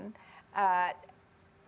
bisa juga merubah kekecewaan kita